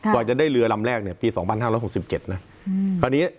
กว่าจะได้เรือลำแรกเนี่ยปี๒๕๖๗นะ